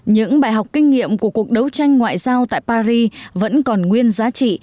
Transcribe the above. những bài học kinh nghiệm của cuộc đấu tranh ngoại giao tại paris vẫn còn nguyên giá trị